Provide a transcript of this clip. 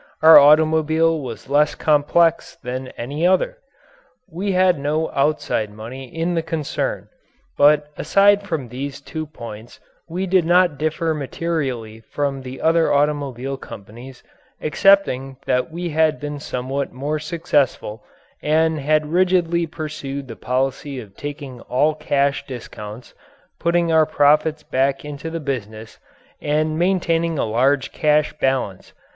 Our automobile was less complex than any other. We had no outside money in the concern. But aside from these two points we did not differ materially from the other automobile companies, excepting that we had been somewhat more successful and had rigidly pursued the policy of taking all cash discounts, putting our profits back into the business, and maintaining a large cash balance.